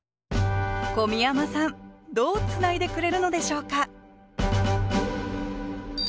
小宮山さんどうつないでくれるのでしょうか？